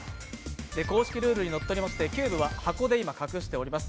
公式ルールにのっとりましてキューブは今、箱で隠してあります。